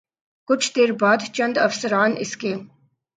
کچھ دیر بعد چند افسران اس کے